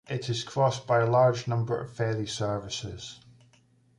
It is crossed by a large number of ferry services.